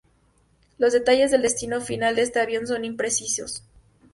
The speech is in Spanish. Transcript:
Los detalles del destino final de este avión son imprecisos.